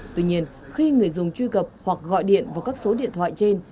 tuy nhiên khi người dùng truy cập hoặc gọi điện vào các số điện thoại trên